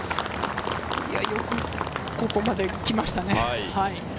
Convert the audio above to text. よくここまで来ましたね。